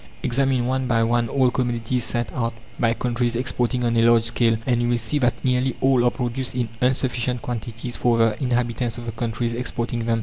Examine one by one all commodities sent out by countries exporting on a large scale, and you will see that nearly all are produced in insufficient quantities for the inhabitants of the countries exporting them.